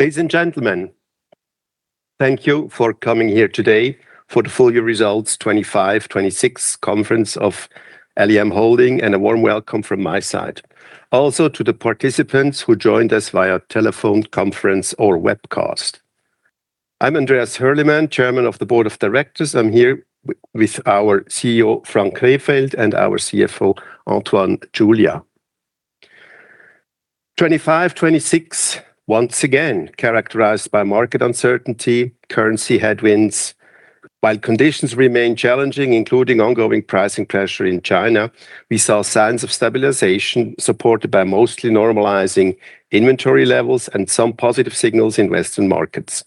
Ladies and gentlemen, thank you for coming here today for the full year results 2025/2026 conference of LEM Holding, and a warm welcome from my side. Also to the participants who joined us via telephone conference or webcast. I'm Andreas Hürlimann, Chairman of the Board of Directors. I'm here with our CEO, Frank Rehfeld, and our CFO, Antoine Chulia. 2025/2026, once again, characterized by market uncertainty, currency headwinds. While conditions remain challenging, including ongoing pricing pressure in China, we saw signs of stabilization supported by mostly normalizing inventory levels and some positive signals in Western markets.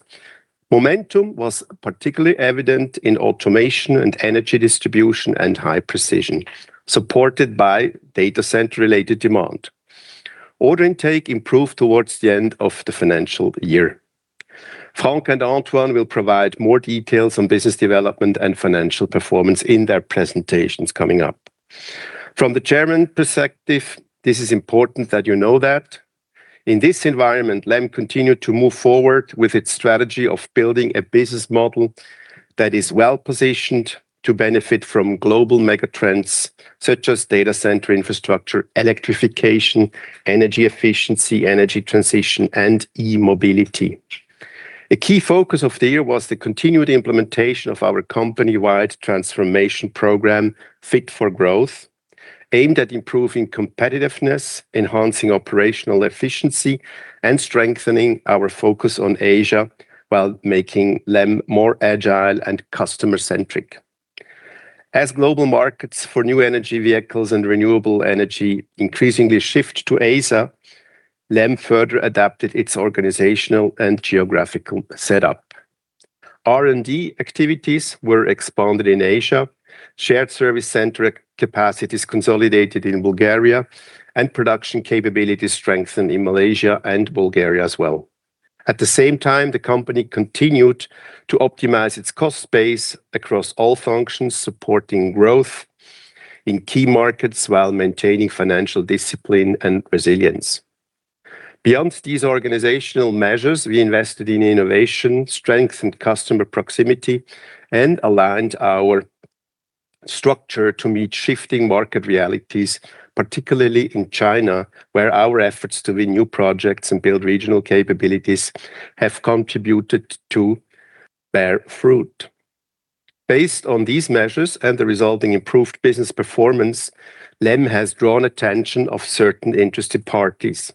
Momentum was particularly evident in automation and energy distribution and high precision, supported by data center-related demand. Order intake improved towards the end of the financial year. Frank and Antoine will provide more details on business development and financial performance in their presentations coming up. From the chairman perspective, this is important that you know that. In this environment, LEM continued to move forward with its strategy of building a business model that is well-positioned to benefit from global mega trends such as data center infrastructure, electrification, energy efficiency, energy transition, and E-Mobility. A key focus of the year was the continued implementation of our company-wide transformation program, Fit for Growth, aimed at improving competitiveness, enhancing operational efficiency, and strengthening our focus on Asia while making LEM more agile and customer-centric. As global markets for new energy vehicles and renewable energy increasingly shift to Asia, LEM further adapted its organizational and geographical setup. R&D activities were expanded in Asia, shared service center capacities consolidated in Bulgaria, and production capabilities strengthened in Malaysia and Bulgaria as well. At the same time, the company continued to optimize its cost base across all functions, supporting growth in key markets while maintaining financial discipline and resilience. Beyond these organizational measures, we invested in innovation, strengthened customer proximity, and aligned our structure to meet shifting market realities, particularly in China, where our efforts to win new projects and build regional capabilities have contributed to bear fruit. Based on these measures and the resulting improved business performance, LEM has drawn attention of certain interested parties.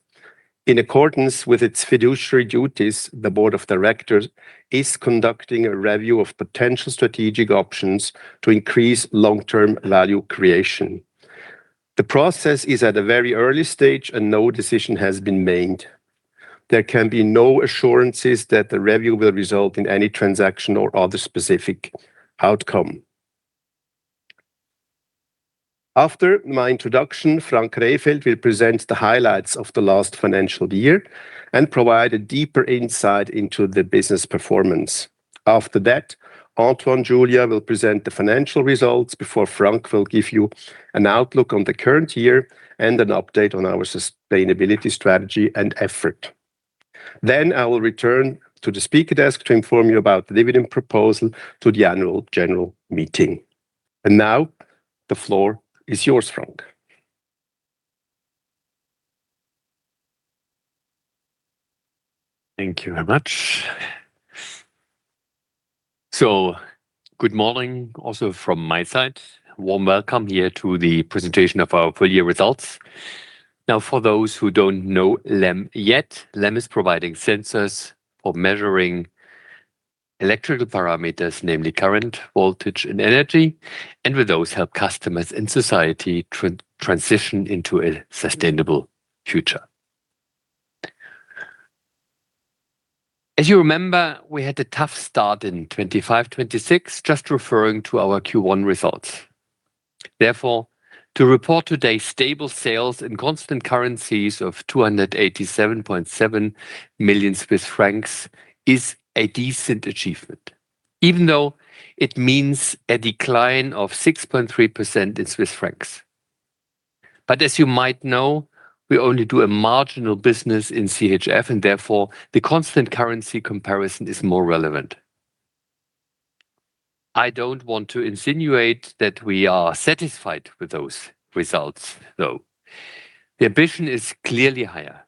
In accordance with its fiduciary duties, the board of directors is conducting a review of potential strategic options to increase long-term value creation. The process is at a very early stage and no decision has been made. There can be no assurances that the review will result in any transaction or other specific outcome. After my introduction, Frank Rehfeld will present the highlights of the last financial year and provide a deeper insight into the business performance. After that, Antoine Chulia will present the financial results before Frank will give you an outlook on the current year and an update on our sustainability strategy and effort. I will return to the speaker desk to inform you about the dividend proposal to the annual general meeting. The floor is yours, Frank. Thank you very much. Good morning also from my side. A warm welcome here to the presentation of our full year results. For those who don't know LEM yet, LEM is providing sensors for measuring electrical parameters, namely current, voltage, and energy, and with those help customers and society transition into a sustainable future. As you remember, we had a tough start in 2025/2026, just referring to our Q1 results. To report today stable sales and constant currencies of 287.7 million Swiss francs is a decent achievement, even though it means a decline of 6.3% in Swiss Franc. As you might know, we only do a marginal business in CHF, therefore, the constant currency comparison is more relevant. I don't want to insinuate that we are satisfied with those results, though. The ambition is clearly higher.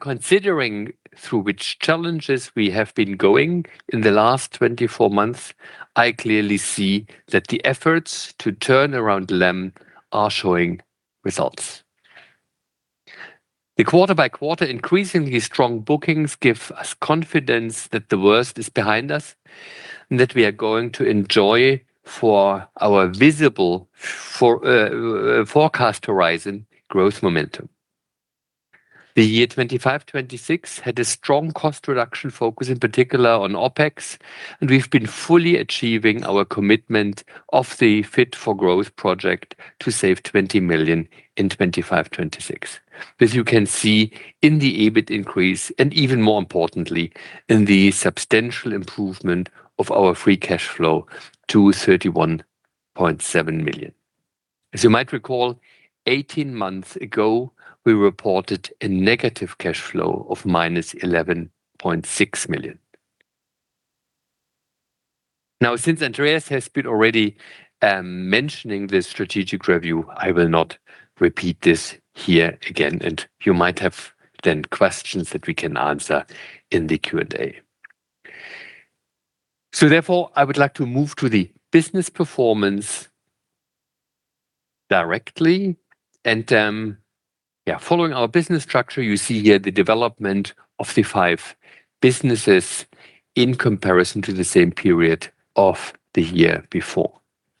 Considering through which challenges we have been going in the last 24 months, I clearly see that the efforts to turn around LEM are showing results. The quarter by quarter, increasingly strong bookings give us confidence that the worst is behind us and that we are going to enjoy for our visible forecast horizon growth momentum. The year 2025/2026 had a strong cost reduction focus, in particular on OpEx. We've been fully achieving our commitment of the Fit for Growth project to save 20 million in 2025/2026. As you can see in the EBIT increase, even more importantly, in the substantial improvement of our free cash flow to 31.7 million. As you might recall, 18 months ago, we reported a negative cash flow of -11.6 million. Since Andreas has been already mentioning the strategic review, I will not repeat this here again, and you might have then questions that we can answer in the Q&A. Therefore, I would like to move to the business performance directly and then, following our business structure, you see here the development of the five businesses in comparison to the same period of the year before.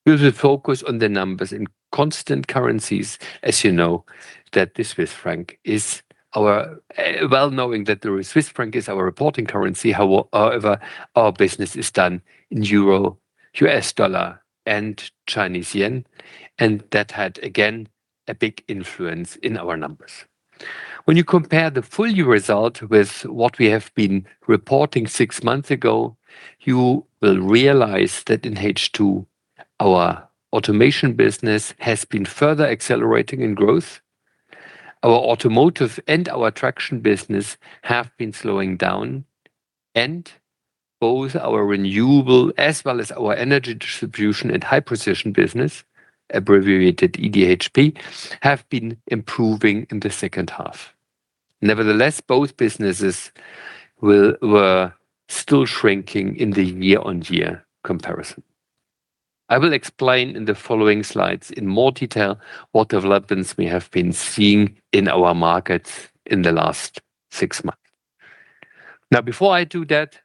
With the focus on the numbers in constant currencies. As you know, well knowing that the Swiss franc is our reporting currency, however, our business is done in euro, US dollar, and Chinese yuan, and that had, again, a big influence on our numbers. You compare the full year result with what we have been reporting six months ago, you will realize that in H2, our automation business has been further accelerating in growth. Our automotive and our traction business have been slowing down and both our renewable as well as our energy distribution and high precision business, abbreviated EDHP, have been improving in the second half. Both businesses were still shrinking in the year-on-year comparison. I will explain in the following slides in more detail what developments we have been seeing in our markets in the last six months. Before I do that,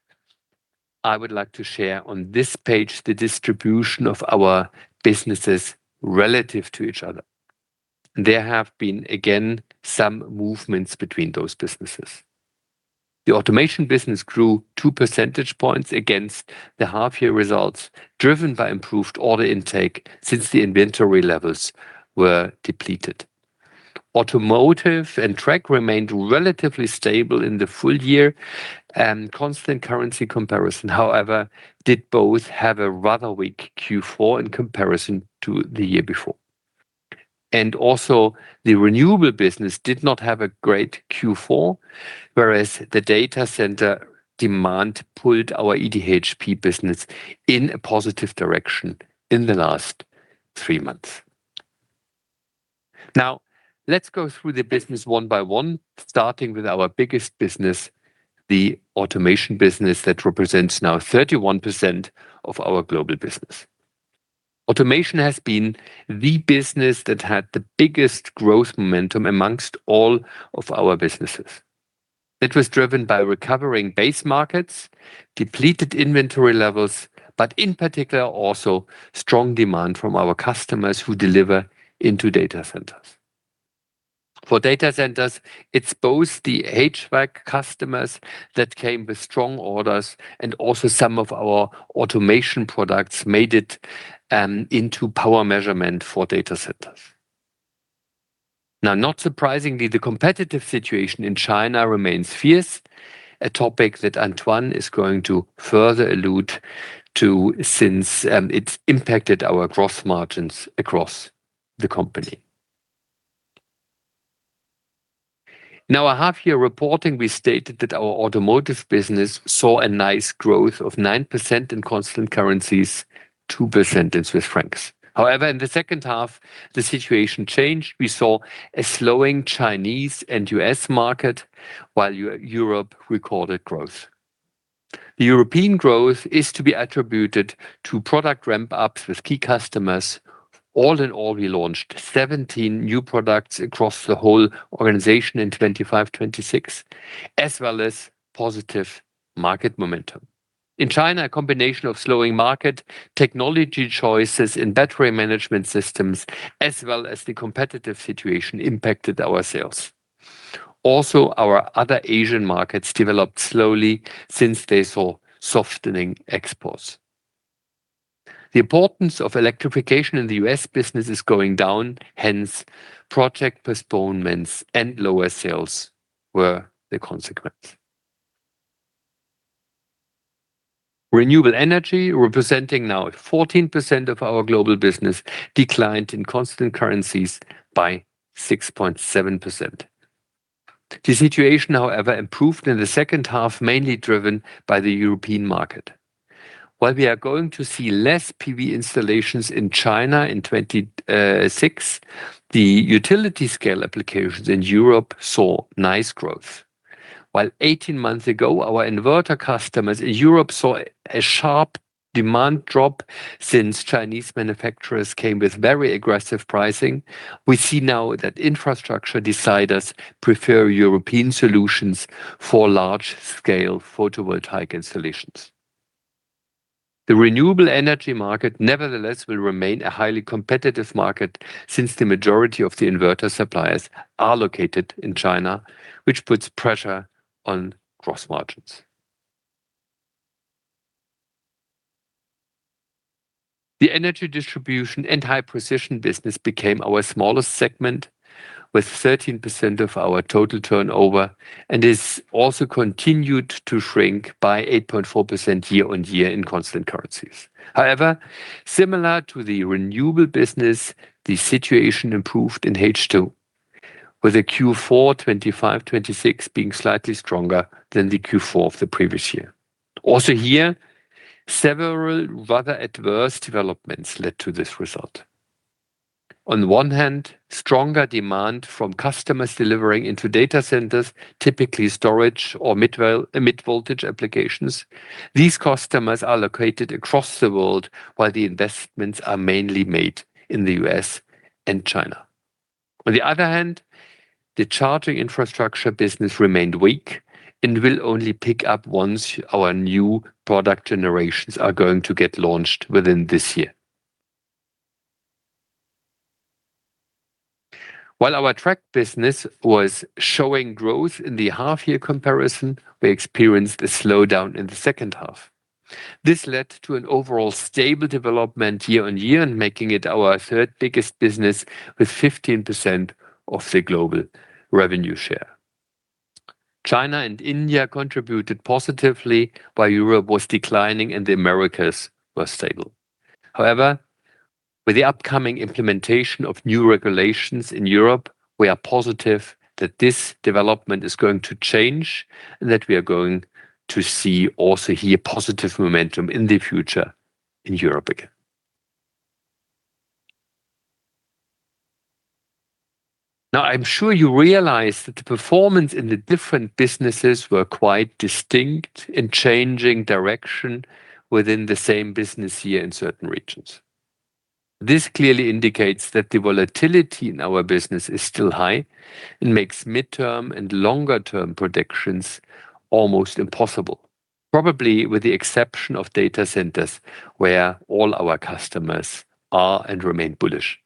I would like to share on this page the distribution of our businesses relative to each other. There have been, again, some movements between those businesses. The automation business grew 2 percentage points against the half-year results, driven by improved order intake since the inventory levels were depleted. Automotive and track remained relatively stable in the full year and constant currency comparison, however, did both have a rather weak Q4 in comparison to the year before. Also, the renewable business did not have a great Q4, whereas the data center demand pulled our EDHP business in a positive direction in the last three months. Now, let's go through the business one by one, starting with our biggest business, the automation business that represents now 31% of our global business. Automation has been the business that had the biggest growth momentum amongst all of our businesses. It was driven by recovering base markets, depleted inventory levels, but in particular, also strong demand from our customers who deliver into data centers. For data centers, it's both the HVAC customers that came with strong orders and also some of our automation products made it into power measurement for data centers. Not surprisingly, the competitive situation in China remains fierce, a topic that Antoine is going to further allude to since it's impacted our gross margins across the company. A half-year reporting, we stated that our automotive business saw a nice growth of 9% in constant currencies, 2% Swiss franc. However, in the second half, the situation changed. We saw a slowing Chinese and US market while Europe recorded growth. European growth is to be attributed to product ramp-ups with key customers. All in all, we launched 17 new products across the whole organization in 2025/2026, as well as positive market momentum. In China, a combination of slowing market, technology choices in battery management systems, as well as the competitive situation impacted our sales. Also, our other Asian markets developed slowly since they saw softening exports. The importance of electrification in the U.S. business is going down, hence project postponements and lower sales were the consequence. Renewable energy, representing now 14% of our global business, declined in constant currencies by 6.7%. The situation, however, improved in the second half, mainly driven by the European market. While we are going to see less PV installations in China in 2026, the utility scale applications in Europe saw nice growth. While 18 months ago, our inverter customers in Europe saw a sharp demand drop since Chinese manufacturers came with very aggressive pricing, we see now that infrastructure deciders prefer European solutions for large-scale photovoltaic installations. The renewable energy market, nevertheless, will remain a highly competitive market since the majority of the inverter suppliers are located in China, which puts pressure on gross margins. The Energy Distribution and High Precision business became our smallest segment with 13% of our total turnover and has also continued to shrink by 8.4% year-on-year in constant currencies. Similar to the renewable business, the situation improved in H2. With the Q4 2025/2026 being slightly stronger than the Q4 of the previous year. Here, several rather adverse developments led to this result. On one hand, stronger demand from customers delivering into data centers, typically storage or mid-voltage applications. These customers are located across the world, while the investments are mainly made in the U.S. and China. The charging infrastructure business remained weak and will only pick up once our new product generations are going to get launched within this year. Our Track business was showing growth in the half-year comparison, we experienced a slowdown in the second half. This led to an overall stable development year-on-year and making it our third biggest business with 15% of the global revenue share. China and India contributed positively, while Europe was declining and the Americas were stable. With the upcoming implementation of new regulations in Europe, we are positive that this development is going to change and that we are going to see also here positive momentum in the future in Europe again. I'm sure you realize that the performance in the different businesses were quite distinct in changing direction within the same business year in certain regions. This clearly indicates that the volatility in our business is still high and makes midterm and longer-term predictions almost impossible. Probably with the exception of data centers, where all our customers are and remain bullish.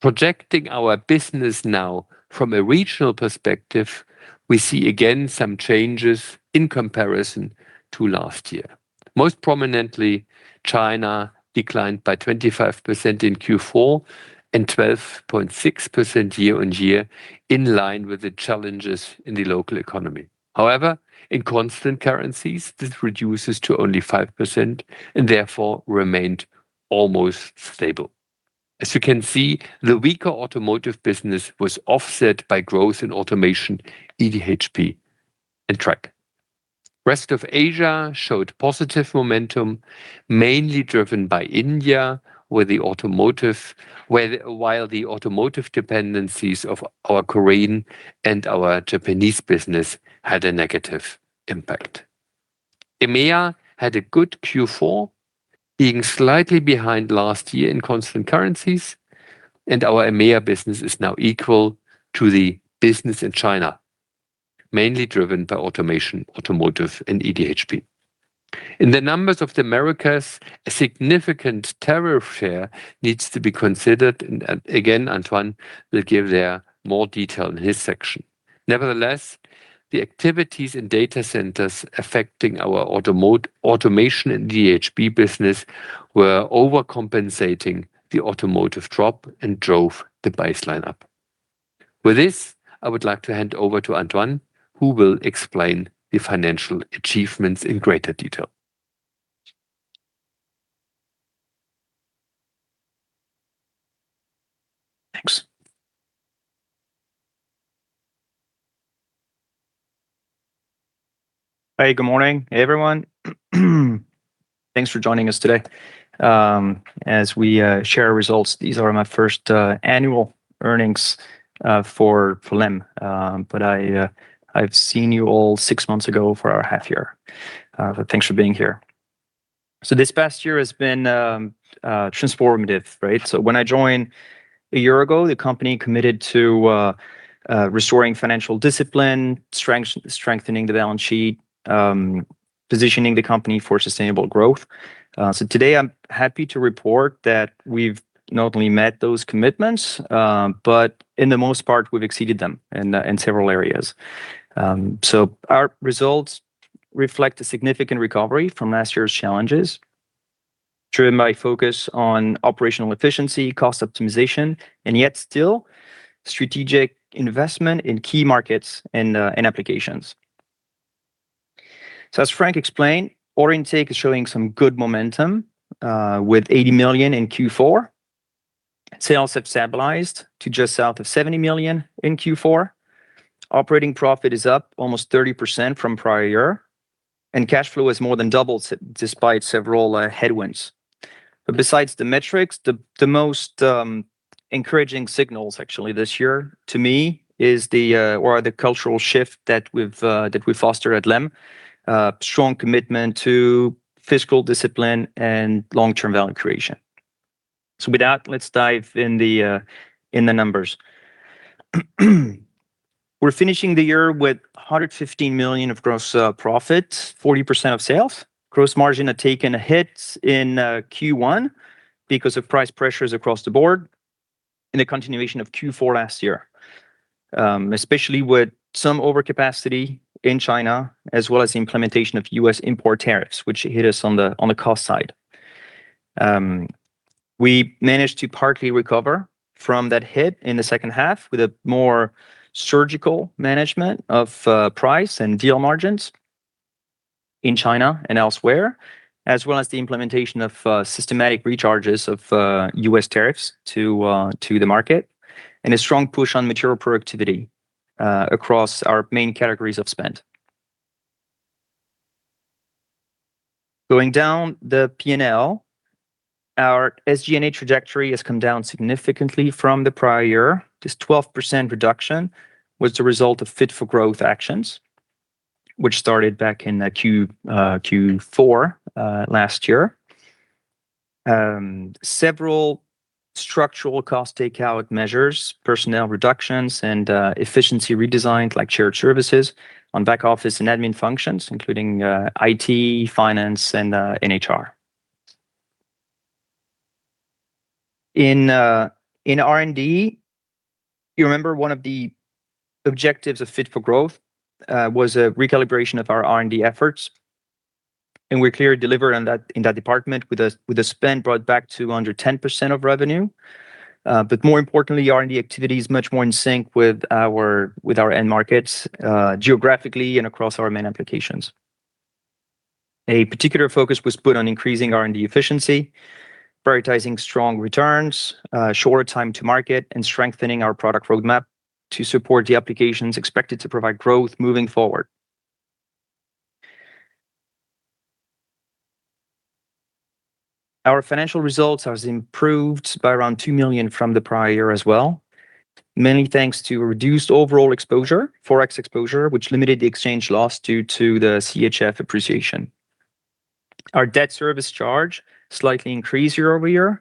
Projecting our business now from a regional perspective, we see again some changes in comparison to last year. Most prominently, China declined by 25% in Q4 and 12.6% year-on-year in line with the challenges in the local economy. However, in constant currencies, this reduces to only 5% and therefore remained almost stable. As you can see, the weaker automotive business was offset by growth in automation EDHP and Track. Rest of Asia showed positive momentum, mainly driven by India, while the automotive dependencies of our Korean and our Japanese business had a negative impact. EMEA had a good Q4, being slightly behind last year in constant currencies, and our EMEA business is now equal to the business in China, mainly driven by automation, automotive, and EDHP. In the numbers of the Americas, a significant tariff effect needs to be considered, and again, Antoine will give there more detail in his section. Nevertheless, the activities in data centers affecting our automation and EDHP business were overcompensating the automotive drop and drove the baseline up. With this, I would like to hand over to Antoine, who will explain the financial achievements in greater detail. Thanks. Hey, good morning. Hey, everyone. Thanks for joining us today. As we share results, these are my first annual earnings for LEM. I've seen you all six months ago for our half year. Thanks for being here. This past year has been transformative, right? When I joined one year ago, the company committed to restoring financial discipline, strengthening the balance sheet, positioning the company for sustainable growth. Today, I'm happy to report that we've not only met those commitments, but in the most part, we've exceeded them in several areas. Our results reflect a significant recovery from last year's challenges, driven by focus on operational efficiency, cost optimization, and yet still strategic investment in key markets and applications. As Frank explained, order intake is showing some good momentum, with 80 million in Q4. Sales have stabilized to just south of 70 million in Q4. Operating profit is up almost 30% from prior year. Cash flow has more than doubled despite several headwinds. Besides the metrics, the most encouraging signals actually this year to me are the cultural shift that we foster at LEM, strong commitment to fiscal discipline and long-term value creation. With that, let's dive in the numbers. We're finishing the year with 150 million of gross profit, 40% of sales. Gross margin had taken a hit in Q1 because of price pressures across the board and the continuation of Q4 last year, especially with some overcapacity in China, as well as the implementation of U.S. import tariffs, which hit us on the cost side. We managed to partly recover from that hit in the second half with a more surgical management of price and deal margins in China and elsewhere, as well as the implementation of systematic recharges of U.S. tariffs to the market, and a strong push on material productivity across our main categories of spend. Going down the P&L, our SG&A trajectory has come down significantly from the prior year. This 12% reduction was the result of Fit for Growth actions, which started back in Q4 last year. Several structural cost takeout measures, personnel reductions, and efficiency redesigns, like shared services on back office and admin functions, including IT, finance, and HR. In R&D, you remember one of the objectives of Fit for Growth was a recalibration of our R&D efforts. We clearly delivered in that department with the spend brought back to under 10% of revenue. More importantly, R&D activity is much more in sync with our end markets geographically and across our main applications. A particular focus was put on increasing R&D efficiency, prioritizing strong returns, shorter time to market, and strengthening our product roadmap to support the applications expected to provide growth moving forward. Our financial results have improved by around 2 million from the prior year as well, many thanks to reduced overall exposure, Forex exposure, which limited the exchange loss due to the CHF appreciation. Our debt service charge slightly increased year-over-year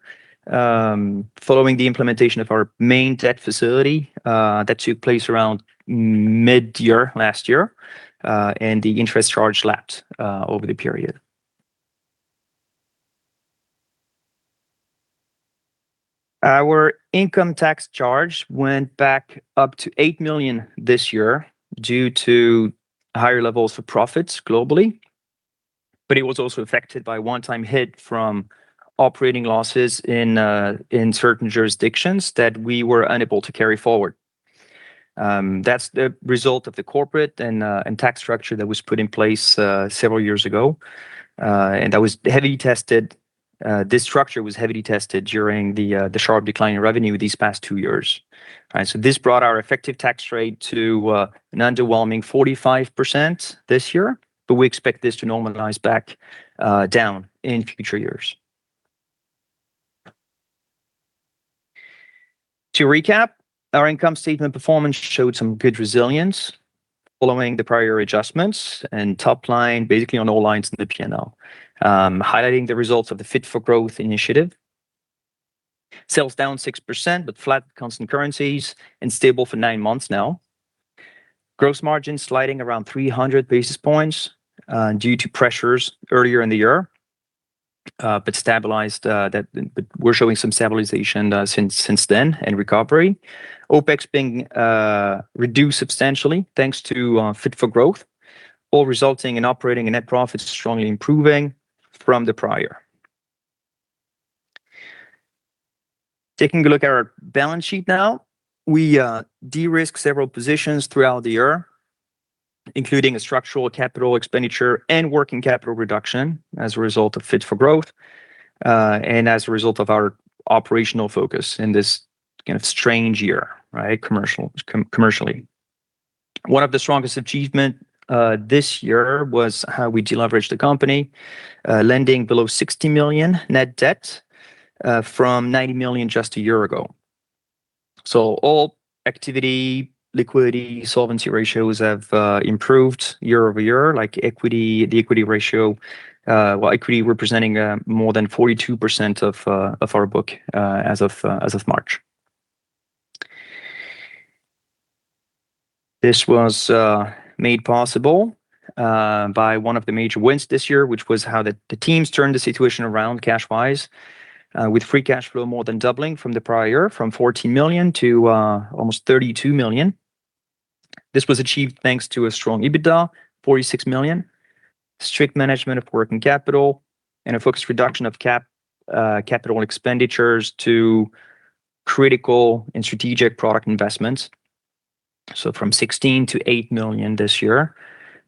following the implementation of our main debt facility that took place around mid-year last year, and the interest charge lapsed over the period. Our income tax charge went back up to $8 million this year due to higher levels of profits globally. It was also affected by a one-time hit from operating losses in certain jurisdictions that we were unable to carry forward. That's the result of the corporate and tax structure that was put in place several years ago. This structure was heavily tested during the sharp decline in revenue these past two years. This brought our effective tax rate to an underwhelming 45% this year. We expect this to normalize back down in future years. To recap, our income statement performance showed some good resilience following the prior year adjustments and top line, basically on all lines in the P&L, highlighting the results of the Fit for Growth initiative. Sales down 6% flat constant currencies and stable for nine months now. Gross margin sliding around 300 basis points due to pressures earlier in the year, but we're showing some stabilization since then and recovery. OpEx being reduced substantially thanks to Fit for Growth, all resulting in operating and net profits strongly improving from the prior. Taking a look at our balance sheet now, we de-risked several positions throughout the year, including a structural capital expenditure and working capital reduction as a result of Fit for Growth, and as a result of our operational focus in this strange year, commercially. One of the strongest achievements this year was how we de-leveraged the company, lending below 60 million net debt from 90 million just a year ago. All activity, liquidity, solvency ratios have improved year-over-year, like equity representing more than 42% of our book as of March. This was made possible by one of the major wins this year, which was how the teams turned the situation around cash-wise, with free cash flow more than doubling from the prior year, from $14 million to almost $32 million. This was achieved thanks to a strong EBITDA of $46 million, strict management of working capital, and a focused reduction of capital expenditures to critical and strategic product investments. From $16 million-$8 million this year.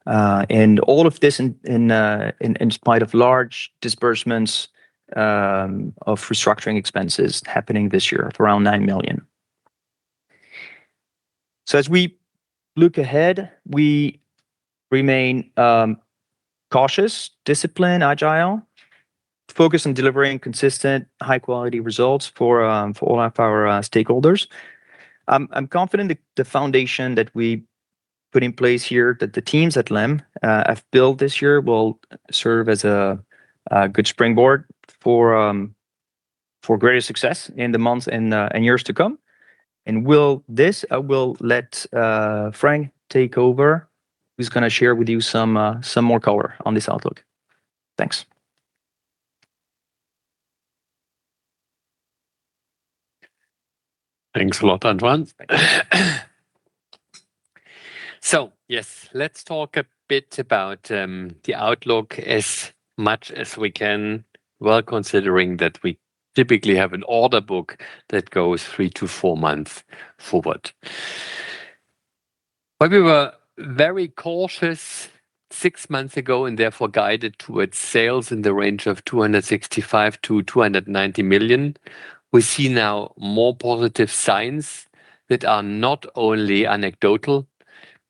All of this in spite of large disbursements of restructuring expenses happening this year of around $9 million. As we look ahead, we remain cautious, disciplined, agile, focused on delivering consistent, high-quality results for all of our stakeholders. I'm confident the foundation that we put in place here, that the teams at LEM have built this year, will serve as a good springboard for greater success in the months and years to come. With this, I will let Frank take over, who's going to share with you some more color on this outlook. Thanks. Thanks a lot, Antoine. Yes, let's talk a bit about the outlook as much as we can, while considering that we typically have an order book that goes three to four months forward. We were very cautious six months ago, and therefore guided towards sales in the range of 265 million-290 million. We see now more positive signs that are not only anecdotal,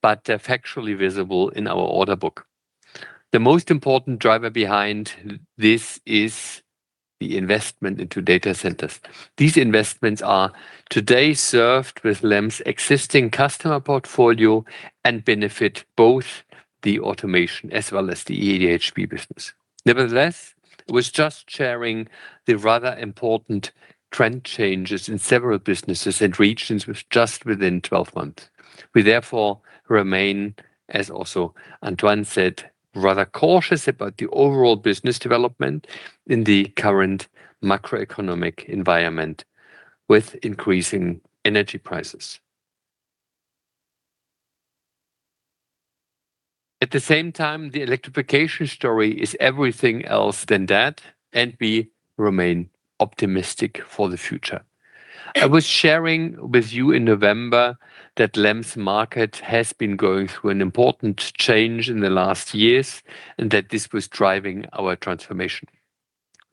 but they're factually visible in our order book. The most important driver behind this is the investment into data centers. These investments are today served with LEM's existing customer portfolio and benefit both the automation as well as the EDHP business. Nevertheless, I was just sharing the rather important trend changes in several businesses and regions with just within 12 months. We therefore remain, as also Antoine said, rather cautious about the overall business development in the current macroeconomic environment with increasing energy prices. At the same time, the electrification story is everything else than that, and we remain optimistic for the future. I was sharing with you in November that LEM's market has been going through an important change in the last years, and that this was driving our transformation.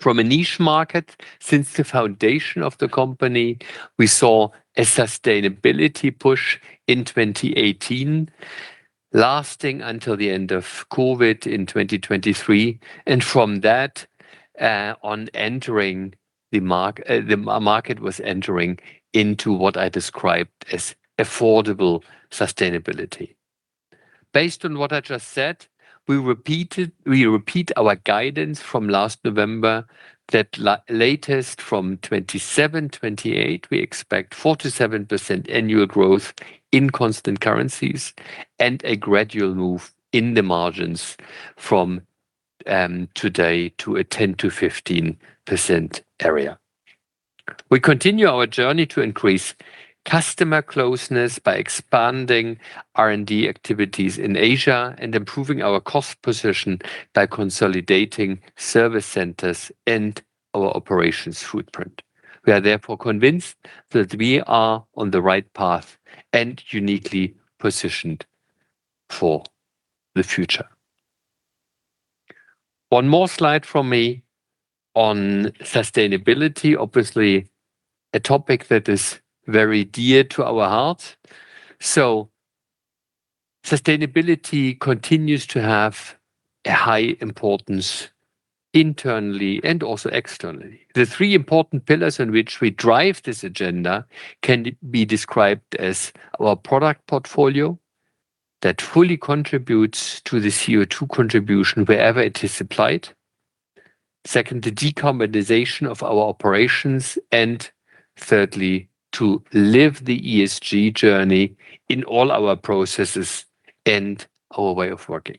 From a niche market, since the foundation of the company, we saw a sustainability push in 2018, lasting until the end of COVID in 2023. From that, the market was entering into what I described as affordable sustainability. Based on what I just said, we repeat our guidance from last November that latest from 2027-2028, we expect 47% annual growth in constant currencies and a gradual move in the margins from today to a 10%-15% area. We continue our journey to increase customer closeness by expanding R&D activities in Asia and improving our cost position by consolidating service centers and our operations footprint. We are convinced that we are on the right path and uniquely positioned for the future. One more slide from me on sustainability, obviously, a topic that is very dear to our hearts. Sustainability continues to have a high importance internally and also externally. The three important pillars on which we drive this agenda can be described as our product portfolio that fully contributes to the CO2 contribution wherever it is applied. Second, the decarbonization of our operations, and thirdly, to live the ESG journey in all our processes and our way of working.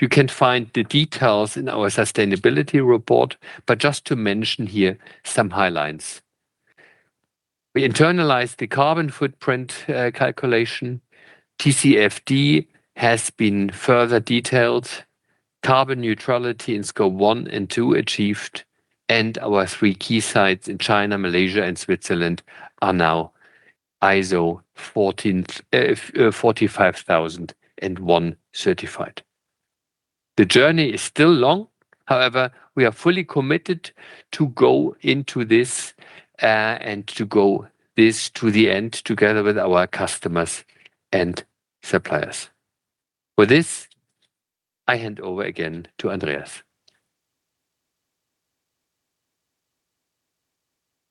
You can find the details in our sustainability report, just to mention here some highlights. We internalized the carbon footprint calculation. TCFD has been further detailed. Carbon neutrality in Scope 1 and Scope 2 achieved, and our three key sites in China, Malaysia, and Switzerland are now ISO 45001 certified. The journey is still long. However, we are fully committed to go into this and to go this to the end together with our customers and suppliers. With this, I hand over again to Andreas.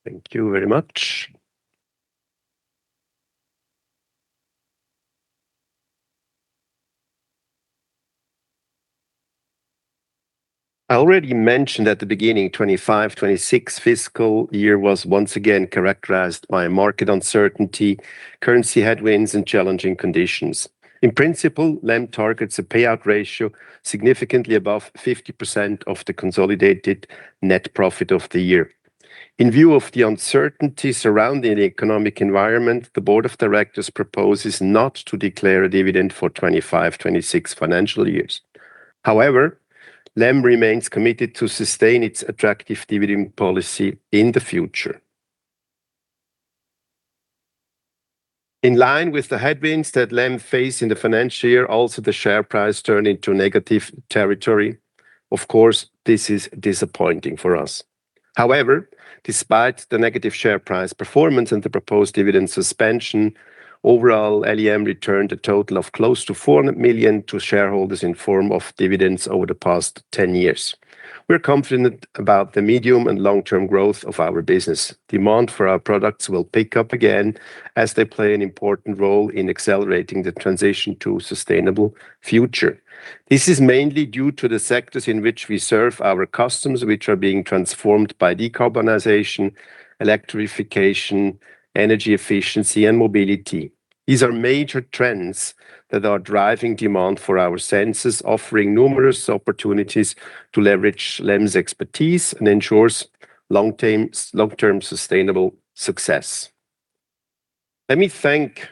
Thank you very much. I already mentioned at the beginning, 2025/2026 fiscal year was once again characterized by market uncertainty, currency headwinds, and challenging conditions. In principle, LEM targets a payout ratio significantly above 50% of the consolidated net profit of the year. In view of the uncertainty surrounding the economic environment, the board of directors proposes not to declare a dividend for 2025/2026 financial years. LEM remains committed to sustain its attractive dividend policy in the future. In line with the headwinds that LEM faced in the financial year, also the share price turned into negative territory. Of course, this is disappointing for us. Despite the negative share price performance and the proposed dividend suspension, overall, LEM returned a total of close to 400 million to shareholders in form of dividends over the past 10 years. We're confident about the medium and long-term growth of our business. Demand for our products will pick up again as they play an important role in accelerating the transition to a sustainable future. This is mainly due to the sectors in which we serve our customers, which are being transformed by decarbonization, electrification, energy efficiency, and mobility. These are major trends that are driving demand for our sensors, offering numerous opportunities to leverage LEM's expertise and ensures long-term sustainable success. Let me thank,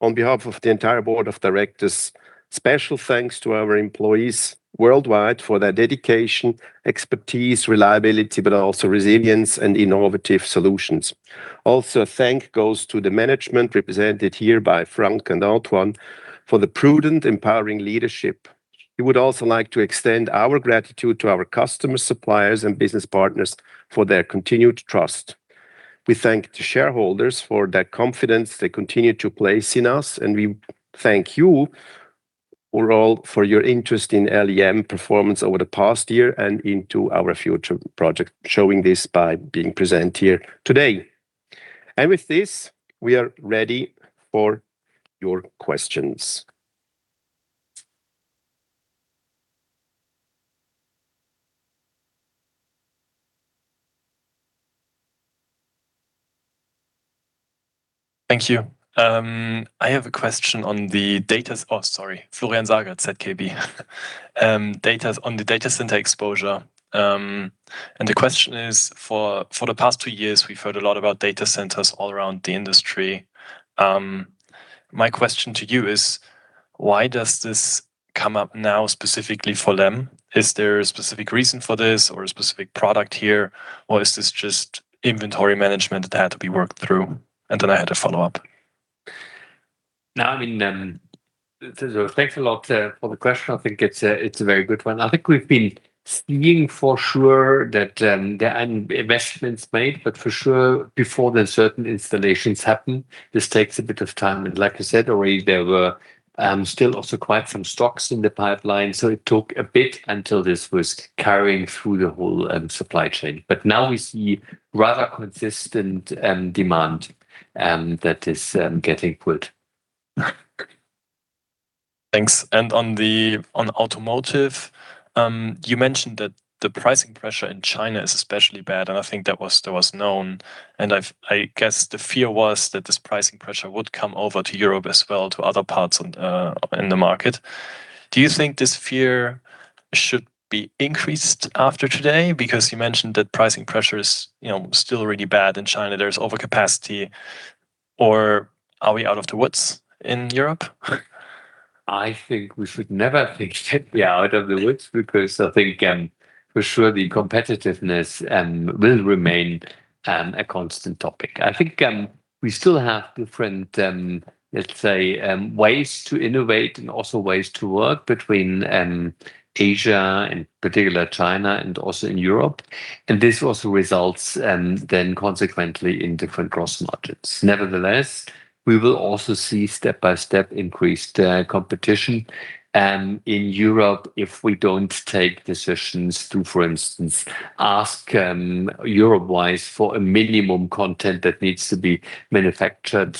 on behalf of the entire board of directors, special thanks to our employees worldwide for their dedication, expertise, reliability, but also resilience and innovative solutions. Also, thank goes to the management represented here by Frank and Antoine for the prudent, empowering leadership. We would also like to extend our gratitude to our customers, suppliers, and business partners for their continued trust. We thank the shareholders for their confidence they continue to place in us, and we thank you all for your interest in LEM performance over the past year and into our future project, showing this by being present here today. With this, we are ready for your questions. Thank you. Oh, sorry. Florian Sager, ZKB. I have a question on the data center exposure. The question is, for the past two years, we've heard a lot about data centers all around the industry. My question to you is, why does this come up now specifically for them? Is there a specific reason for this or a specific product here, or is this just inventory management that had to be worked through? I had a follow-up. Thanks a lot for the question. I think it's a very good one. I think we've been seeing for sure that there are investments made, for sure before the certain installations happen, this takes a bit of time. Like I said already, there were still also quite some stocks in the pipeline, it took a bit until this was carrying through the whole supply chain. Now we see rather consistent demand that is getting put. Thanks. On automotive, you mentioned that the pricing pressure in China is especially bad, and I think that was known, and I guess the fear was that this pricing pressure would come over to Europe as well, to other parts in the market. Do you think this fear should be increased after today? You mentioned that pricing pressure is still really bad in China. There's overcapacity. Are we out of the woods in Europe? I think we should never think that we are out of the woods because I think, for sure the competitiveness will remain a constant topic. I think we still have different ways to innovate and also ways to work between Asia, in particular China, and also in Europe. This also results then consequently in different gross margins. Nevertheless, we will also see step by step increased competition in Europe if we don't take decisions to, for instance, ask Europe-wise for a minimum content that needs to be manufactured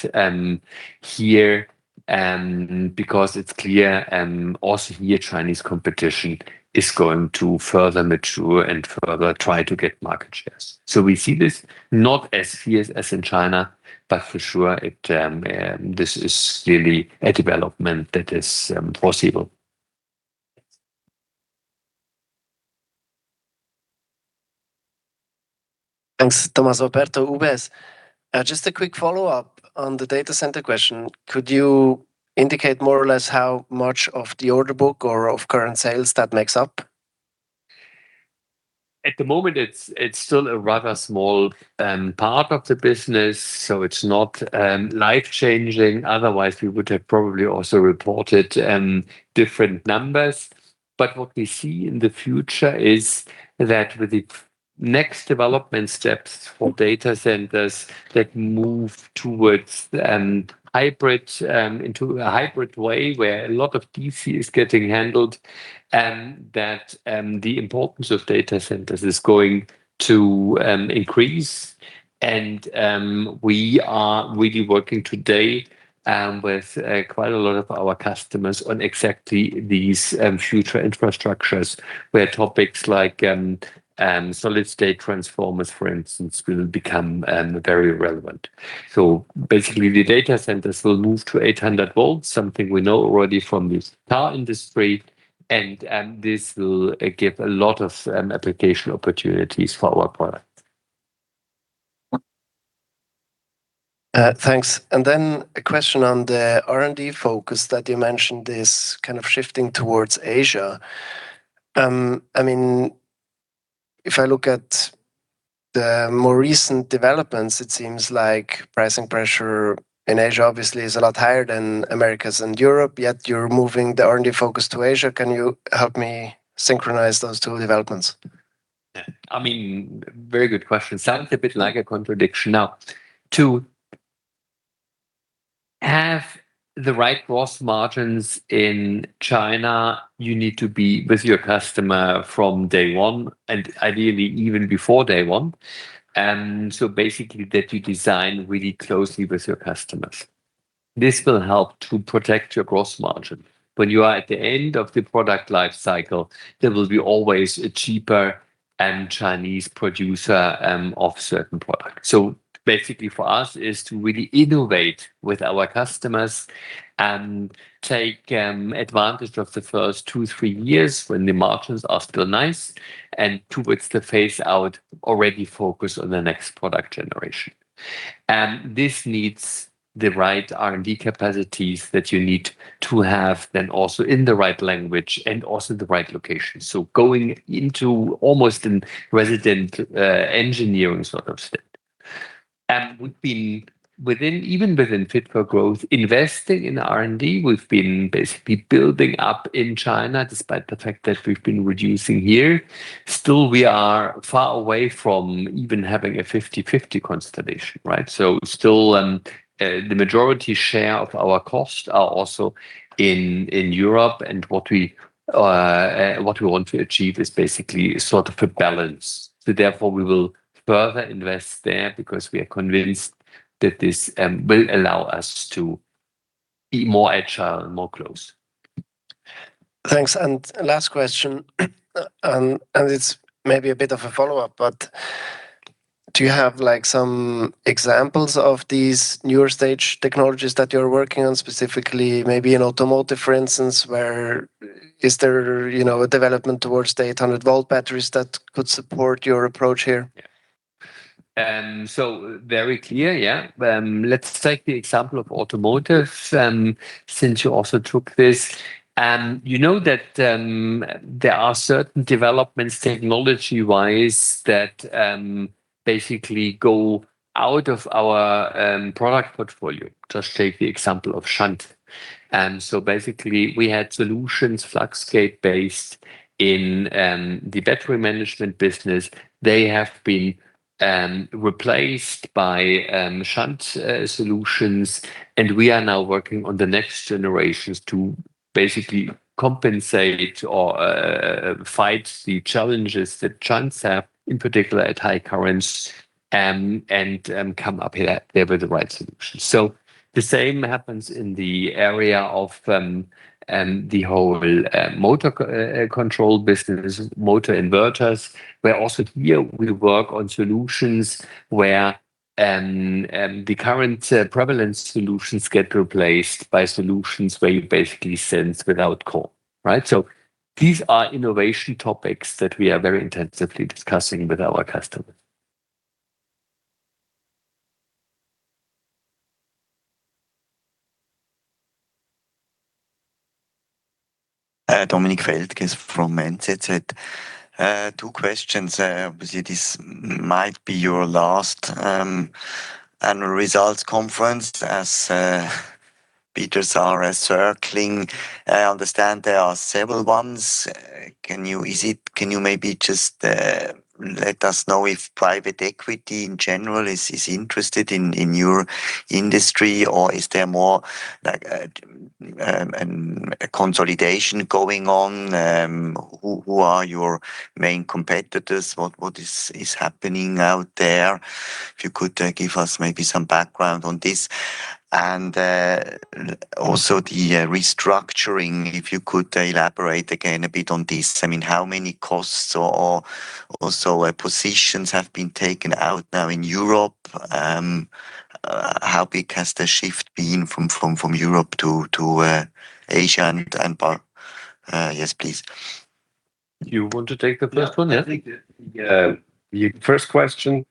here, because it's clear also here, Chinese competition is going to further mature and further try to get market shares. We see this not as fierce as in China, but for sure, this is really a development that is foreseeable. Thanks. Tommaso Operto, UBS. Just a quick follow-up on the data center question. Could you indicate more or less how much of the order book or of current sales that makes up? At the moment, it's still a rather small part of the business, so it's not life-changing. Otherwise, we would have probably also reported different numbers. What we see in the future is that with the next development steps for data centers that move towards into a hybrid way where a lot of DC is getting handled, that the importance of data centers is going to increase. We are really working today with quite a lot of our customers on exactly these future infrastructures where topics like solid-state transformers, for instance, will become very relevant. Basically, the data centers will move to 800 V, something we know already from this power industry, and this will give a lot of application opportunities for our product. Thanks. A question on the R&D focus that you mentioned is kind of shifting towards Asia. If I look at the more recent developments, it seems like pricing pressure in Asia obviously is a lot higher than Americas and Europe, yet you're moving the R&D focus to Asia. Can you help me synchronize those two developments? Very good question. Sounds a bit like a contradiction. To have the right gross margins in China, you need to be with your customer from day one and ideally even before day one. That you design really closely with your customers. This will help to protect your gross margin. When you are at the end of the product life cycle, there will be always a cheaper Chinese producer of certain products. For us is to really innovate with our customers and take advantage of the first two, three years when the margins are still nice and towards the phase out, already focused on the next product generation. This needs the right R&D capacities that you need to have, then also in the right language and also in the right location. Going into almost a resident engineering sort of state. Even within Fit for Growth, investing in R&D, we've been basically building up in China, despite the fact that we've been reducing here. Still, we are far away from even having a 50/50 constellation, right? Still, the majority share of our costs are also in Europe. What we want to achieve is basically a sort of a balance. Therefore, we will further invest there because we are convinced that this will allow us to be more agile and more close. Thanks. Last question, and it's maybe a bit of a follow-up, but do you have some examples of these newer stage technologies that you're working on, specifically maybe in automotive, for instance, where is there a development towards 800 V batteries that could support your approach here? Very clear, yeah. Let's take the example of automotive, since you also took this. You know that there are certain developments technology-wise that basically go out of our product portfolio. Just take the example of shunt. Basically, we had solutions fluxgate-based in the battery management business. They have been replaced by shunt solutions, and we are now working on the next generations to basically compensate or fight the challenges that shunts have, in particular at high currents, and come up there with the right solution. The same happens in the area of the whole motor control business, motor inverters, where also here we work on solutions where the current prevalent solutions get replaced by solutions where you basically sense without core, right? These are innovation topics that we are very intensively discussing with our customers. Dominique Feltgen from Metzler Asset Management. Two questions. Obviously, this might be your last annual results conference as bidders are circling. I understand there are several ones. Can you maybe just let us know if private equity in general is interested in your industry, or is there more consolidation going on? Who are your main competitors? What is happening out there? If you could give us maybe some background on this. Also the restructuring, if you could elaborate again a bit on this. How many costs or positions have been taken out now in Europe? How big has the shift been from Europe to Asia and beyond? Yes, please. You want to take the first one? Yeah. The first question,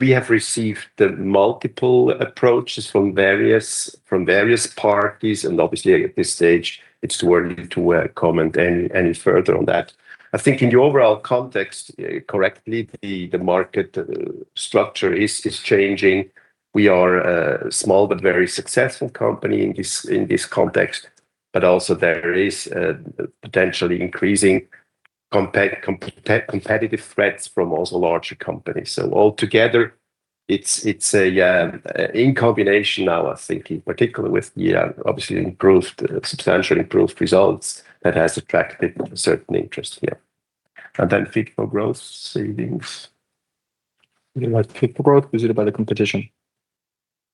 we have received multiple approaches from various parties, and obviously at this stage, it's too early to comment any further on that. I think in the overall context, correctly, the market structure is changing. We are a small but very successful company in this context. Also there is potentially increasing competitive threats from also larger companies. Altogether, it's in combination now, I think, in particular with the obviously substantially improved results that has attracted a certain interest here. Fit for Growth savings. You mean like Fit for Growth? Is it about the competition?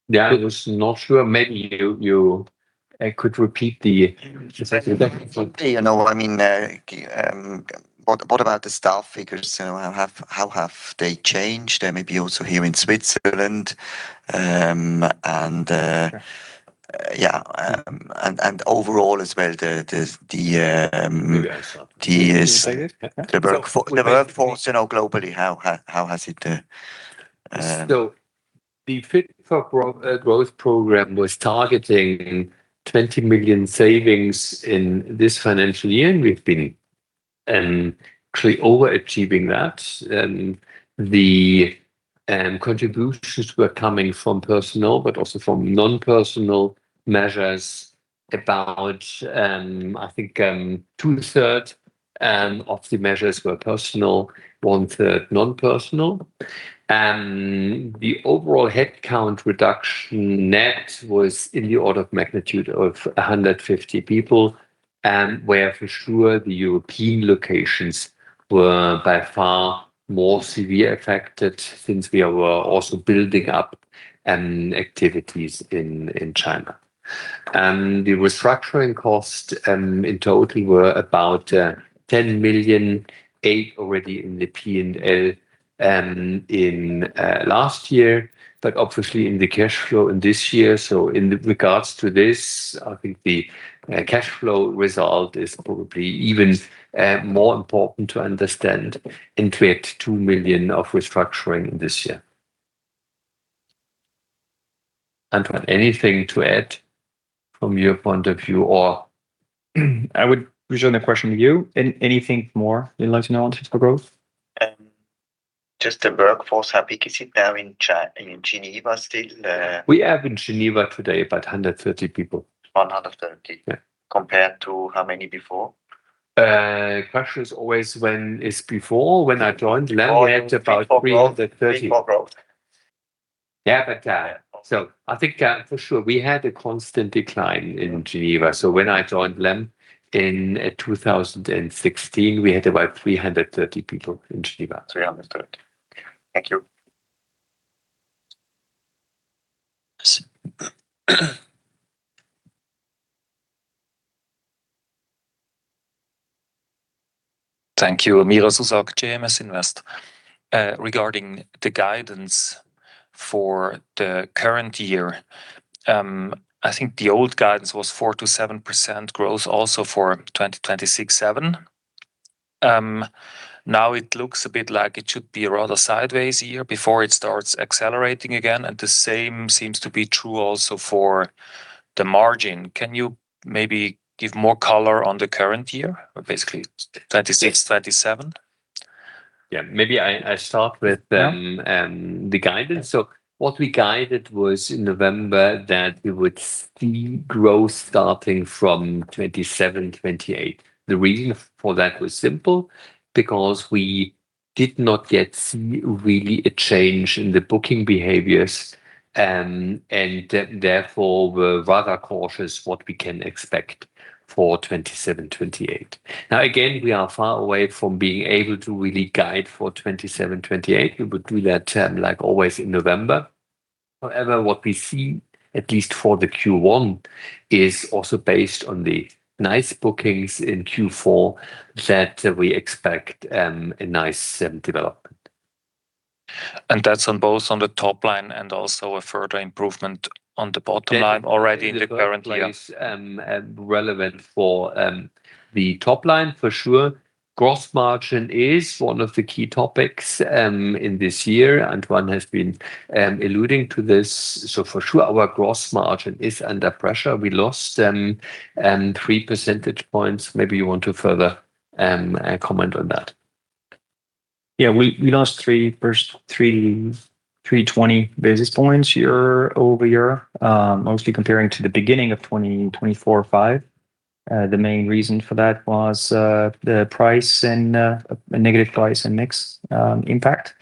Yeah, I was not sure, maybe you an repeat the. You know what I mean. What about the staff figures? How have they changed? Maybe also here in Switzerland, overall as well. You guys. The workforce now globally, how has it. The Fit for Growth program was targeting 20 million savings in this financial year. We've been actually overachieving that. The contributions were coming from personal, but also from non-personal measures. About, I think, two-third of the measures were personal, 1/3 non-personal. The overall headcount reduction net was in the order of magnitude of 150 people. Where for sure the European locations were by far more severely affected since we were also building up activities in China. The restructuring costs in total were about 10 million, 8 million already in the P&L in last year, but obviously in the cash flow in this year. In regards to this, I think the cash flow result is probably even more important to understand in create 2 million of restructuring this year. Antoine, anything to add from your point of view? I would return the question to you. Anything more you'd like to know on typical growth? Just the workforce, how big is it now in Geneva still? We have in Geneva today about 130 people. 130. Yeah. Compared to how many before? Question is always when is before. When I joined LEM, we had about 330. Before growth. Yeah. I think for sure we had a constant decline in Geneva. When I joined LEM in 2016, we had about 330 people in Geneva. 330. Thank you. Thank you. Miro Zuzak, JMS Invest. Regarding the guidance for the current year, I think the old guidance was 4%-7% growth also for 2026/2027. Now it looks a bit like it should be a rather sideways year before it starts accelerating again. The same seems to be true also for the margin. Can you maybe give more color on the current year? Basically 2026/2027? Yeah. Maybe I start with. Yeah. The guidance. What we guided was in November that we would see growth starting from 2027/2028. The reason for that was simple, because we did not yet see really a change in the booking behaviors, and therefore were rather cautious what we can expect for 2027/2028. Again, we are far away from being able to really guide for 2027/2028. We would do that term like always in November. What we see, at least for the Q1, is also based on the nice bookings in Q4 that we expect a nice development. That's on both on the top line and also a further improvement on the bottom line already in the current year. Relevant for the top line for sure. Gross margin is one of the key topics in this year. Antoine has been alluding to this. For sure our gross margin is under pressure. We lost 3 percentage points. Maybe you want to further comment on that. We lost 320 basis points year-over-year, mostly comparing to the beginning of 2024/2025. The main reason for that was the price and a negative price and mix impact.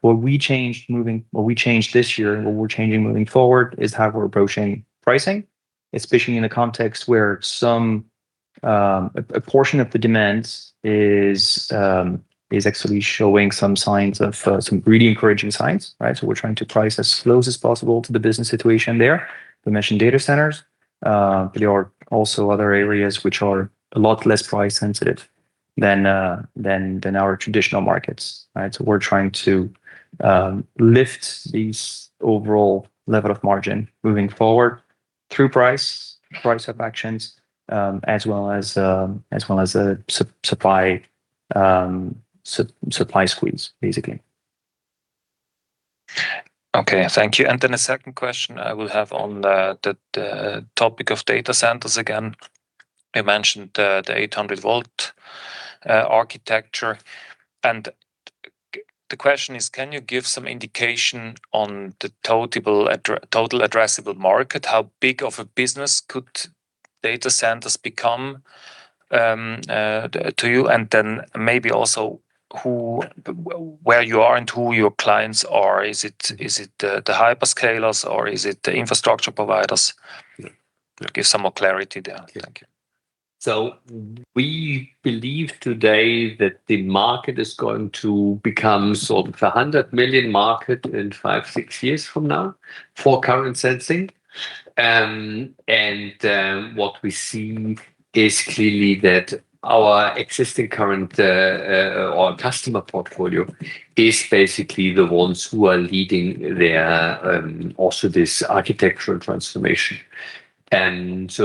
What we changed this year and what we're changing moving forward is how we're approaching pricing, especially in a context where a portion of the demand is actually showing some really encouraging signs. We're trying to price as close as possible to the business situation there. We mentioned data centers, there are also other areas which are a lot less price sensitive than our traditional markets. We're trying to lift these overall level of margin moving forward through price of actions, as well as supply squeeze, basically. Okay, thank you. Then a second question I will have on the topic of data centers again. You mentioned the 800 V architecture, and the question is, can you give some indication on the total addressable market? How big of a business could data centers become to you? Then maybe also where you are and who your clients are. Is it the hyperscalers or is it the infrastructure providers? Give some more clarity there. Thank you. We believe today that the market is going to become sort of a 100 million market in five, six years from now for current sensing. What we see is clearly that our existing current or customer portfolio is basically the ones who are leading also this architectural transformation. We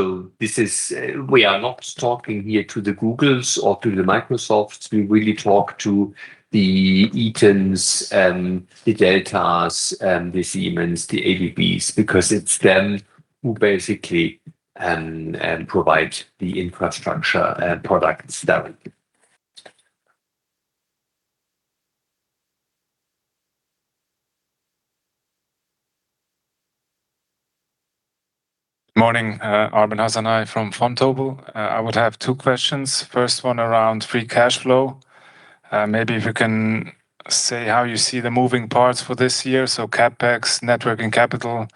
are not talking here to the Googles or to the Microsofts. We really talk to the Eatons, the Deltas, the Siemens, the ABBs, because it's them who basically provide the infrastructure and products there. Morning. Arben Hasanaj from Vontobel. I would have two questions. First one around free cash flow. Maybe if you can say how you see the moving parts for this year. CapEx, networking capital.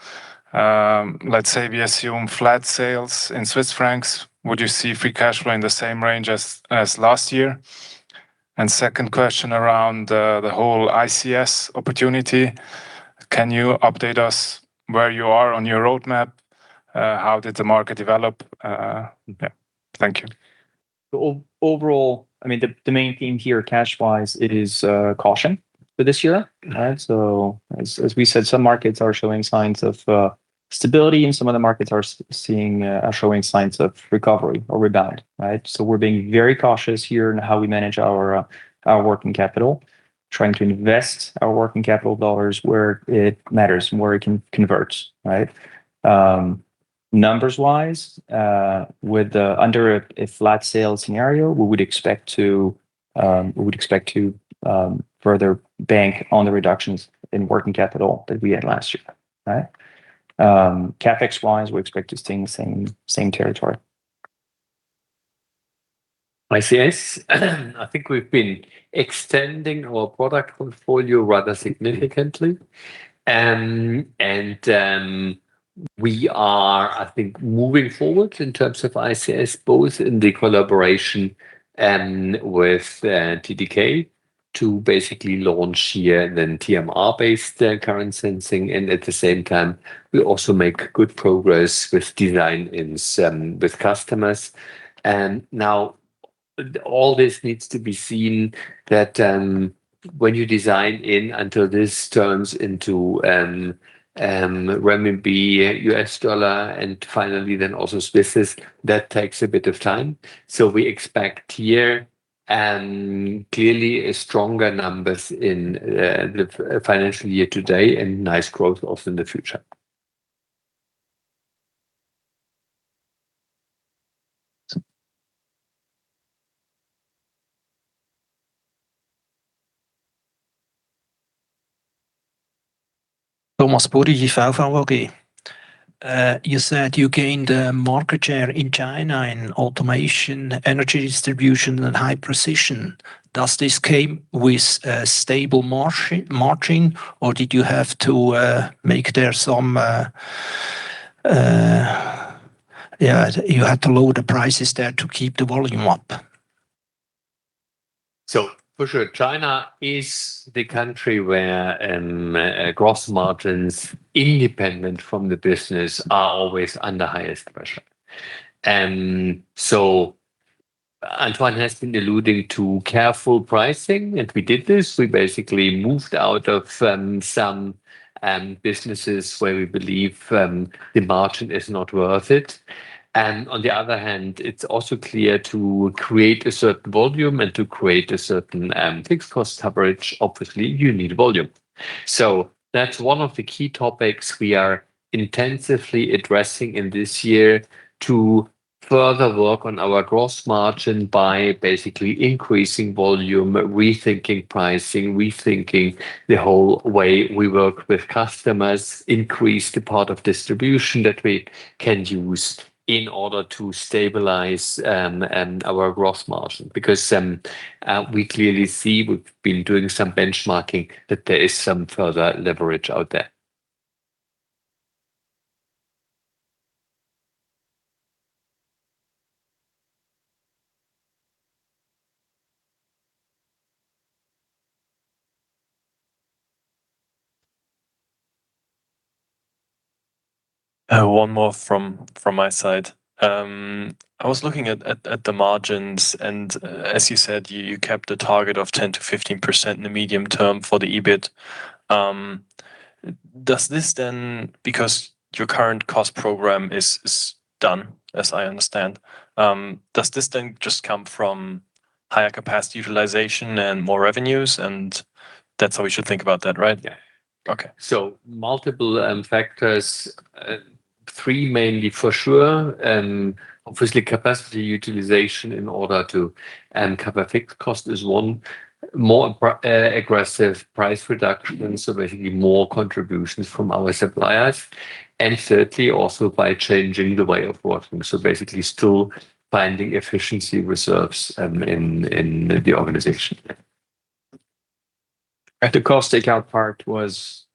Let's say we assume flat sales in Swiss francs, would you see free cash flow in the same range as last year? Second question around the whole ICS opportunity. Can you update us where you are on your roadmap? How did the market develop? Thank you. Overall, the main theme here cash-wise, it is caution for this year. As we said, some markets are showing signs of stability and some of the markets are showing signs of recovery or rebound. We're being very cautious here in how we manage our working capital. Trying to invest our working capital dollars where it matters, where it converts, right? Numbers-wise, under a flat sales scenario, we would expect to further bank on the reductions in working capital that we had last year. Right? CapEx-wise, we expect to stay in the same territory. ICS, I think we've been extending our product portfolio rather significantly. We are, I think, moving forward in terms of ICS, both in the collaboration with TDK to basically launch here then TMR-based current sensing, and at the same time, we also make good progress with design with customers. Now all this needs to be seen that when you design in until this turns into renminbi, US dollar, and finally then also Swissies, that takes a bit of time. We expect here and clearly a stronger numbers in the financial year to date and nice growth also in the future. Thomas Bodmer, VFAV AG. You said you gained market share in China in automation, energy distribution, and high precision. Does this came with stable margin or did you have to lower the prices there to keep the volume up? For sure, China is the country where gross margins, independent from the business, are always under highest pressure. Antoine has been alluding to careful pricing, and we did this. We basically moved out of some businesses where we believe the margin is not worth it. On the other hand, it's also clear to create a certain volume and to create a certain fixed cost coverage, obviously, you need volume. That's one of the key topics we are intensively addressing in this year to further work on our gross margin by basically increasing volume, rethinking pricing, rethinking the whole way we work with customers, increase the part of distribution that we can use in order to stabilize our gross margin. We clearly see, we've been doing some benchmarking, that there is some further leverage out there. One more from my side. I was looking at the margins, and as you said, you kept a target of 10%-15% in the medium term for the EBIT. Your current cost program is done, as I understand, does this then just come from higher capacity utilization and more revenues, and that's how we should think about that, right? Yeah. Okay. Multiple factors. Three mainly for sure. Obviously capacity utilization in order to cover fixed cost is one. More aggressive price reductions, so basically more contributions from our suppliers. Thirdly, also by changing the way of working. Basically still finding efficiency reserves in the organization. The cost takeout part was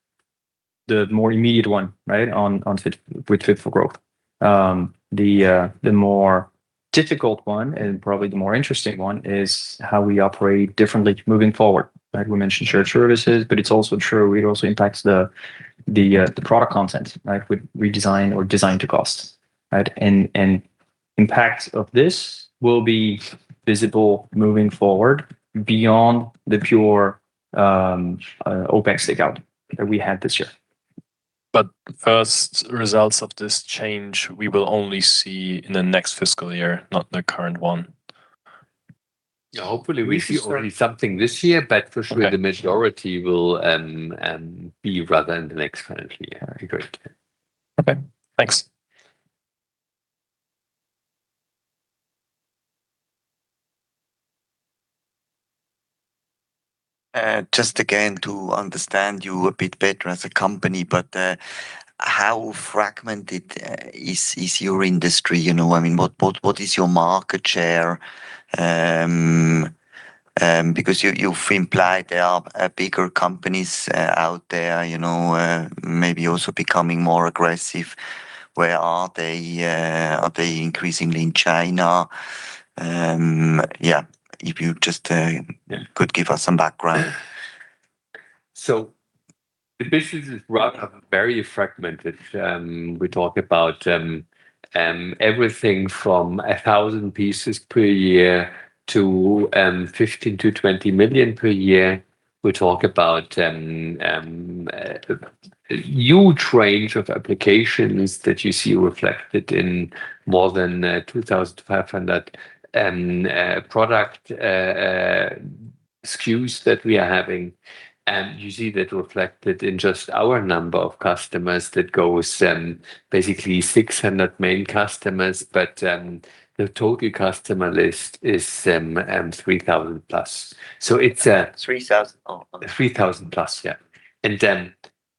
the more immediate one, right, with Fit for Growth. The more difficult one, and probably the more interesting one is how we operate differently moving forward, right? We mentioned shared services, but it's also true, it also impacts the product content, right, with redesign or design to cost, right? Impact of this will be visible moving forward beyond the pure OpEx takeout that we had this year. First results of this change, we will only see in the next fiscal year, not the current one. Yeah. Hopefully we see already something this year, but for sure the majority will be rather in the next calendar year. Great. Okay, thanks. Just again to understand you a bit better as a company, how fragmented is your industry? What is your market share? Because you've implied there are bigger companies out there, maybe also becoming more aggressive. Where are they? Are they increasingly in China? Yeah, if you just could give us some background. The business is very fragmented. We talk about everything from 1,000 pieces per year to 15 million-20 million per year. We talk about huge range of applications that you see reflected in more than 2,500 product SKUs that we are having, and you see that reflected in just our number of customers that goes basically 600 main customers, but the total customer list is 3,000+. 3,000. 3,000+, yeah.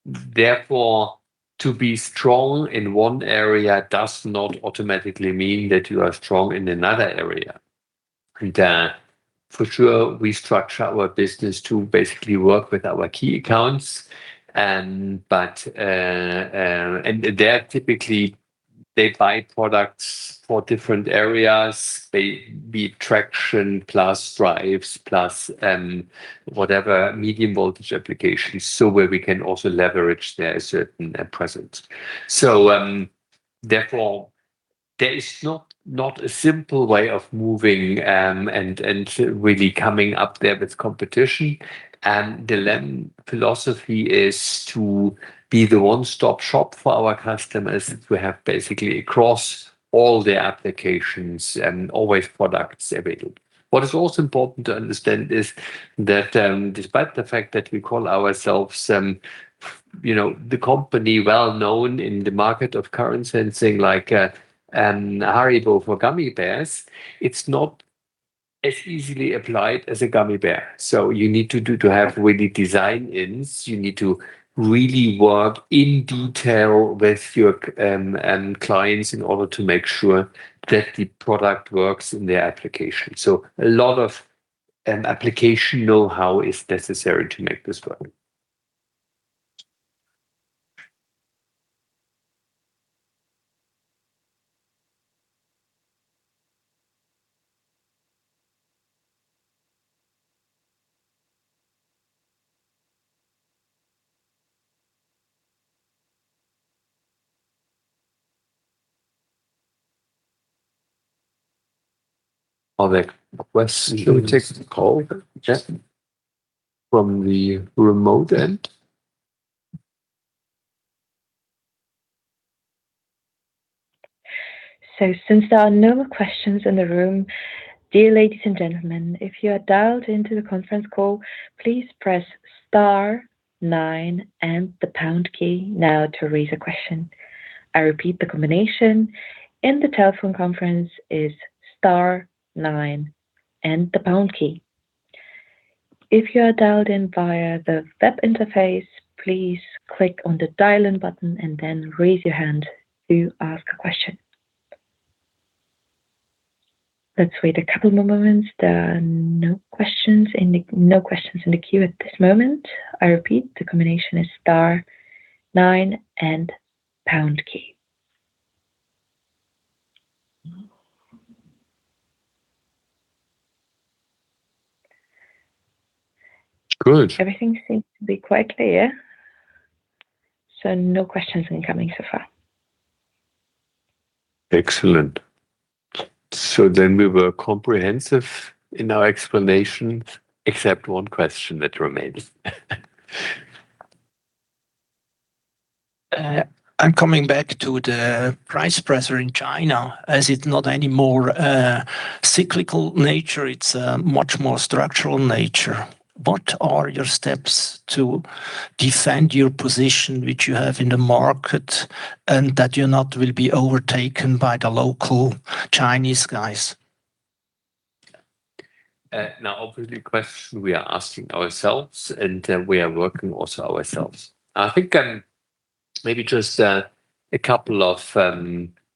Therefore, to be strong in one area does not automatically mean that you are strong in another area. For sure, we structure our business to basically work with our key accounts, and they buy products for different areas, be it traction plus drives plus whatever medium voltage applications, so where we can also leverage their certain presence. Therefore, there is not a simple way of moving and really coming up there with competition. The LEM philosophy is to be the one-stop shop for our customers. We have basically across all the applications and always products available. What is also important to understand is that despite the fact that we call ourselves the company well-known in the market of current sensing, like a Haribo for gummy bears, it's not as easily applied as a gummy bear. You need to have really design-ins. You need to really work in detail with your clients in order to make sure that the product works in their application. A lot of an application know-how is necessary to make this work. Are there questions? Shall we take the call just from the remote end? So since there are no more questions in the room, dear ladies and gentlemen, if you are dialed into the conference call, please press star nine and the pound key now to raise a question. I repeat, the combination in the telephone conference is star nine and the pound key. If you are dialed in via the web interface, please click on the dial-in button and then raise your hand to ask a question. Let's wait a couple more moments. There are no questions in the queue at this moment. I repeat, the combination is star nine and pound key. Good. Everything seems to be quite clear. No questions coming so far. Excellent. We were comprehensive in our explanations, except one question that remains. I'm coming back to the price pressure in China. As it's not anymore a cyclical nature, it's a much more structural nature. What are your steps to defend your position which you have in the market, and that you're not will be overtaken by the local Chinese guys? Obviously, question we are asking ourselves, and we are working also ourselves. Maybe just a couple of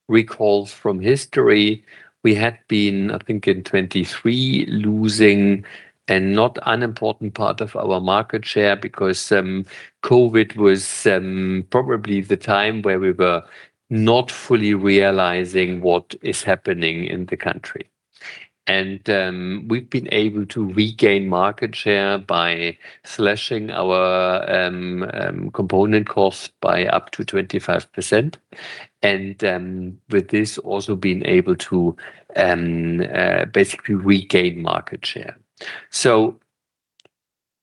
recalls from history. We had been in 2023, losing a not unimportant part of our market share because COVID was probably the time where we were not fully realizing what is happening in the country. We've been able to regain market share by slashing our component cost by up to 25%, and with this also being able to basically regain market share.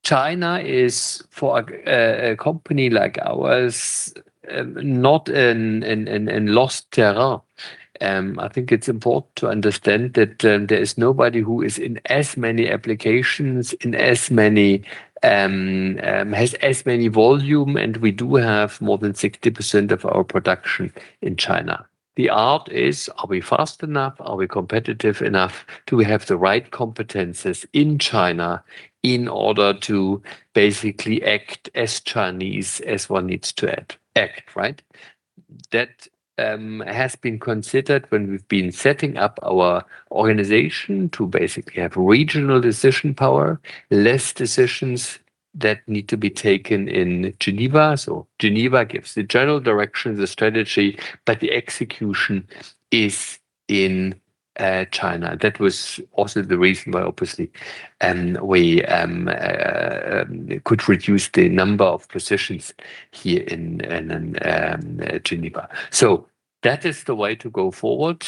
China is, for a company like ours, not a lost terrain. It's important to understand that there is nobody who is in as many applications, has as many volume, and we do have more than 60% of our production in China. The art is, are we fast enough? Are we competitive enough? Do we have the right competencies in China in order to basically act as Chinese as one needs to act, right? That has been considered when we've been setting up our organization to basically have regional decision power, less decisions that need to be taken in Geneva. Geneva gives the general direction, the strategy, but the execution is in China. That was also the reason why, obviously, we could reduce the number of positions here in Geneva. That is the way to go forward.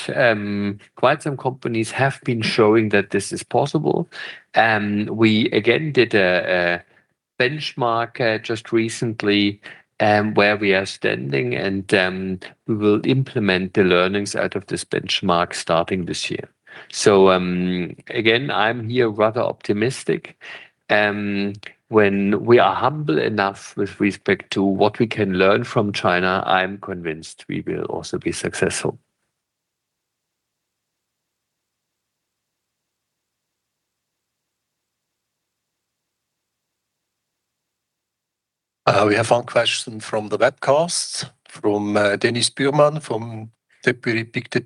Quite some companies have been showing that this is possible, and we again did a benchmark just recently where we are standing, and we will implement the learnings out of this benchmark starting this year. Again, I'm here rather optimistic. When we are humble enough with respect to what we can learn from China, I'm convinced we will also be successful. We have one question from the webcast from Denis Bormann from Dépigest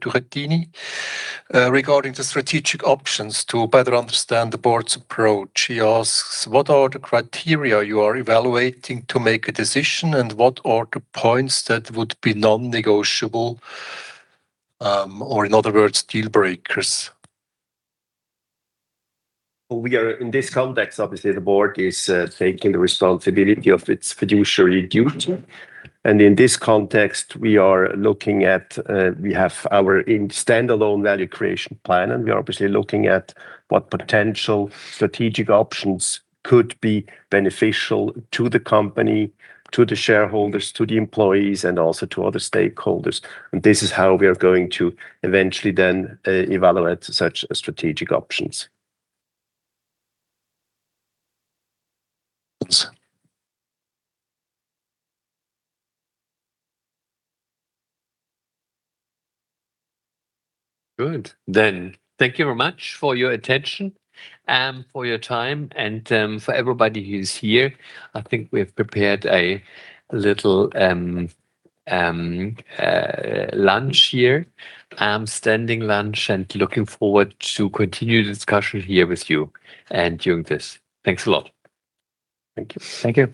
SA regarding the strategic options to better understand the board's approach. He asks, "What are the criteria you are evaluating to make a decision, and what are the points that would be non-negotiable, or in other words, deal breakers?" We are in this context, obviously, the board is taking the responsibility of its fiduciary duty. In this context, we have our standalone value creation plan, and we are obviously looking at what potential strategic options could be beneficial to the company, to the shareholders, to the employees, and also to other stakeholders. This is how we are going to eventually then evaluate such strategic options. Good. Thank you very much for your attention and for your time and for everybody who's here. I think we have prepared a little standing lunch here and looking forward to continued discussion here with you during this. Thanks a lot. Thank you. Thank you.